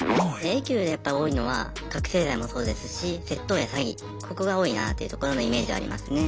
Ａ級でやっぱ多いのは覚醒剤もそうですし窃盗や詐欺ここが多いなというところのイメージはありますね。